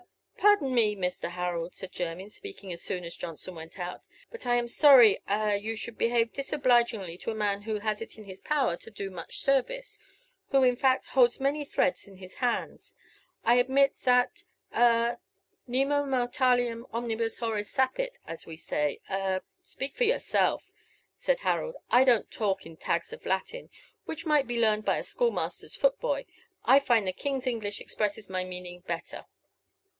"A pardon me, Mr. Harold," said Jermyn, speaking as soon as Johnson went out, "but I am sorry a you should behave disobligingly to a man who has it in his power to do much service who, in fact, holds many threads in his hands. I admit that a nemo mortalium omnibus horis sapit, as we say a " "Speak for yourself," said Harold. "I don't talk in tags of Latin, which might be learned by a school master's foot boy. I find the King's English expresses my meaning better."